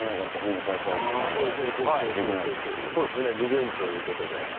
はいそうですねリベンジということで。